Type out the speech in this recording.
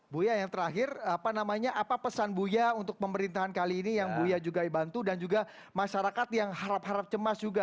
buya yang terakhir apa namanya apa pesan buya untuk pemerintahan kali ini yang buya juga bantu dan juga masyarakat yang harap harap cemas juga